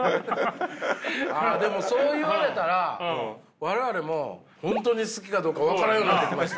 ああでもそう言われたら我々も本当に好きかどうか分からんようになってきました。